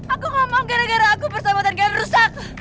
aku ngomong gara gara aku bersama dan kalian rusak